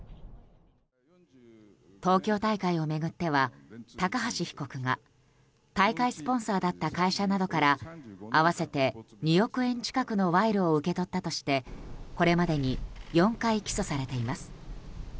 東京大会を巡っては、高橋被告が大会スポンサーだった会社などから合わせて２億円近くの賄賂を受け取ったとしてこれまでに４回起訴されています。